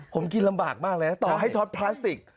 ผมกินลำบากมากเลยต่อให้ช็อตพลาสติก